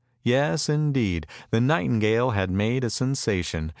Yes, indeed, the nightingale had made a sensation.